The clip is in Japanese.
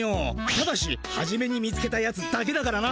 ただしはじめに見つけたやつだけだからな。